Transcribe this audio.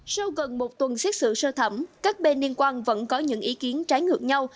sau gần một tuần xét xử sơ thẩm các bên liên quan vẫn có những ý kiến trái ngược nhau